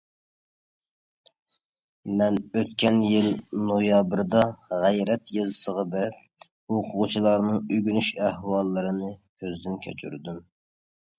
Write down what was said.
مەن ئۆتكەن يىل نويابىردا غەيرەت يېزىسىغا بېرىپ، ئوقۇغۇچىلارنىڭ ئۆگىنىش ئەھۋاللىرىنى كۆزدىن كەچۈردۈم.